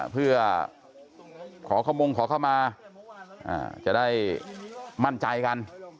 เพื่อขอขมงขอเข้ามาจะได้มั่นใจกัน